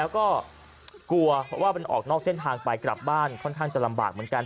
แล้วก็กลัวว่ามันออกนอกเส้นทางไปกลับบ้านค่อนข้างจะลำบากเหมือนกัน